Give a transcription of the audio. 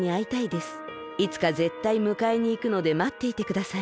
いつかぜったいむかえにいくのでまっていてください。